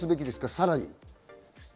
さらに。